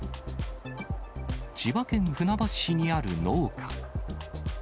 千葉県船橋市にある農家。